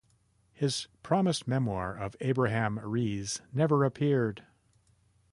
His promised memoir of Abraham Rees never appeared.